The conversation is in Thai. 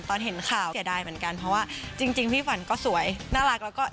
ตอนเห็หนข่าวสแถวเหมือนกันเพราะว่า